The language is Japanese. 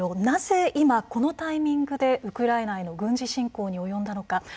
なぜ今このタイミングでウクライナへの軍事侵攻に及んだのか。